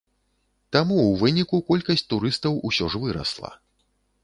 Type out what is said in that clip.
Таму ў выніку колькасць турыстаў усё ж вырасла.